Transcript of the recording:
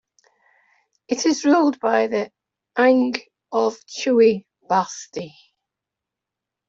It is ruled by the Angh of Chui Basti.